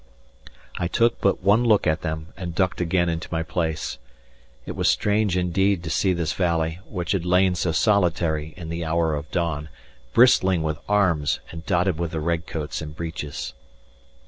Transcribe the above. I took but one look at them, and ducked again into my place. It was strange indeed to see this valley, which had lain so solitary in the hour of dawn, bristling with arms and dotted with the red coats and breeches.